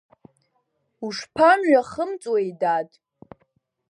Ушԥамҩахымҵуеи, дад.